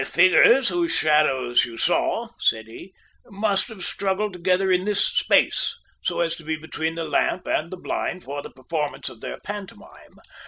"The figures whose shadows you saw," said he, "must have struggled together in this space, so as to be between the lamp and the blind for the performance of their pantomime.